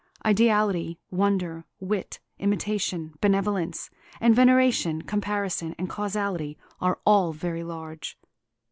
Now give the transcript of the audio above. Ideality, wonder, wit, imitation, benevolence, and veneration, comparison and causality, are all very large.